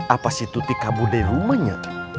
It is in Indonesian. apa si tuti kabude rumahnya